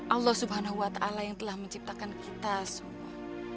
allah swt yang telah menciptakan kita semua